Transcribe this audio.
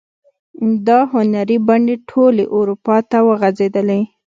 دا هنري بڼې ټولې اروپا ته وغزیدلې.